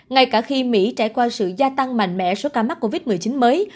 ngay cả khi mỹ trải qua sự gia tăng mạnh mẽ số ca mắc covid một mươi chín mới